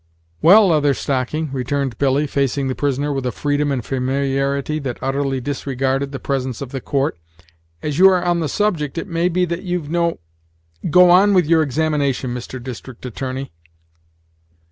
"Well, Leather Stocking," returned Billy, facing the prisoner with a freedom and familiarity that utterly disregarded the presence of the court, "as you are on the subject it may be that you've no " "Go on with your examination, Mr. District Attorney."